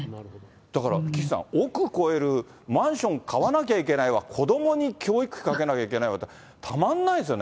だから岸さん、億超える、マンション買わなきゃいけないわ、子どもに教育費かけなきゃいけないわ、たまんないですよね、